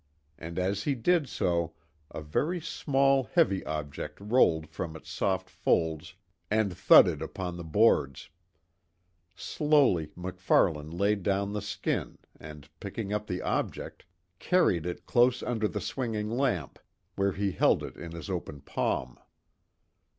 And as he did so, a very small, heavy object rolled from its soft folds and thudded upon the boards. Slowly MacFarlane laid down the skin and, picking up the object, carried it close under the swinging lamp, where he held it in his open palm.